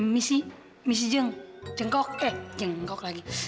missi missi jeng jengkok eh jengkok lagi